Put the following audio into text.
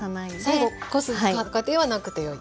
最後こす過程はなくてよい。